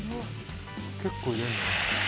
結構入れるんだね。